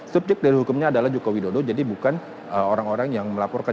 subjek dari hukumnya adalah joko widodo jadi bukan orang orang yang melaporkan